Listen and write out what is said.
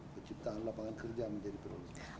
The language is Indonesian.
keciptaan lapangan kerja menjadi perusahaan